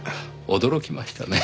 驚きましたね。